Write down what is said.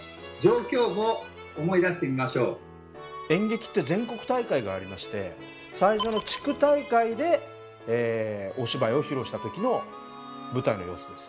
演劇って全国大会がありまして最初の地区大会でお芝居を披露した時の舞台の様子です。